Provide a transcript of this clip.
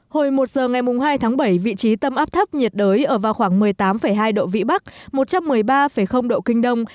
hồi một giờ ngày hai tháng bảy vị trí tâm áp thấp nhiệt đới ở vào khoảng một mươi tám hai độ vĩ bắc một trăm một mươi ba độ kinh đông